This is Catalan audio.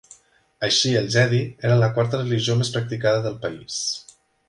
Així, el "jedi" era la quarta religió més practicada del país.